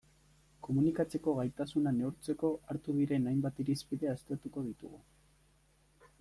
Komunikatzeko gaitasuna neurtzeko hartu diren hainbat irizpide aztertuko ditugu.